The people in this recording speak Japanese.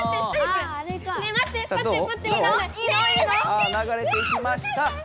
あ流れていきました。